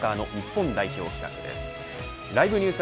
サッカーの日本代表企画です。